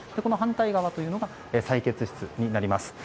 反対側というのが採血室になります。